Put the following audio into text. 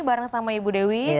bareng sama ibu dewi